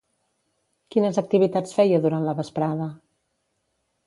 Quines activitats feia durant la vesprada?